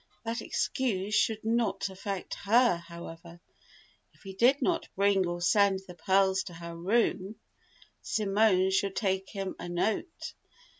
That excuse should not affect her, however. If he did not bring or send the pearls to her room, Simone should take him a note.